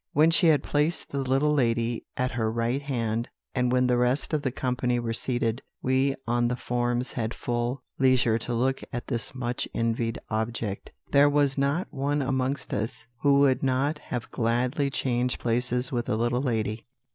When she had placed the little lady at her right hand, and when the rest of the company were seated, we on the forms had full leisure to look at this much envied object. There was not one amongst us who would not have gladly changed places with the little lady.